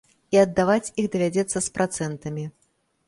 І аддаваць іх давядзецца з працэнтамі.